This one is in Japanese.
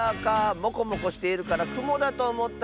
もこもこしているからくもだとおもったッス。